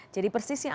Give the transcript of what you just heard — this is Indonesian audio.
jadi persisnya apa